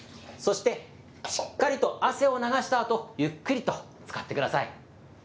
そしてしっかりと汗を流したあと、ゆっくりとつかってください。